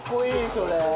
それ。